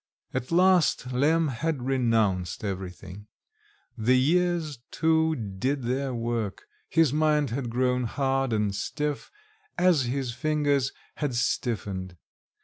At last Lemm had renounced everything; the years too did their work; his mind had grown hard and stiff, as his fingers had stiffened.